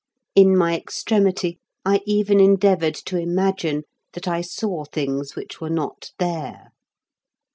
In my extremity I even endeavoured to imagine that I saw things which were not there....